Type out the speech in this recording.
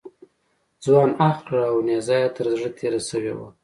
ځوان اخ کړل او نیزه یې تر زړه تېره شوې وه.